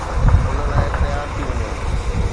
ان لاءِ تيار ٿي وڃو.